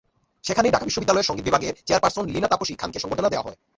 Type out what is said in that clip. সেখানেই ঢাকা বিশ্ববিদ্যালয়ের সংগীত বিভাগের চেয়ারপারসন লীনা তাপসী খানকে সংবর্ধনা দেওয়া হয়।